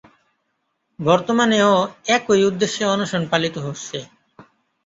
বর্তমানেও একই উদ্দেশ্যে অনশন পালিত হচ্ছে।